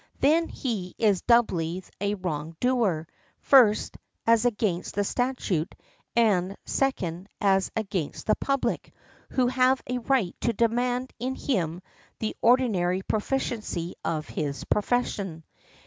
Then he is doubly a wrong doer; first, as against the statute; and, second, as against the public, who have a right to demand in him the ordinary proficiency of his profession .